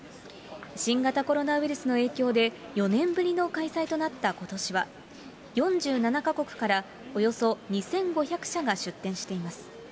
新型コロナウイルスの影響で、４年ぶりの開催となったことしは、４７か国からおよそ２５００社が出展しています。